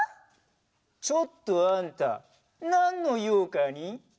ちょっとあんたなんのようかに？